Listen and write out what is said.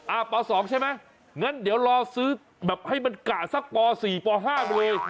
ป๒ใช่ไหมงั้นเดี๋ยวรอซื้อแบบให้มันกะสักป๔ป๕ไปเลย